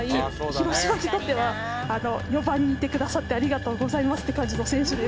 広島にとっては４番にいてくださってありがとうございますって感じの選手です。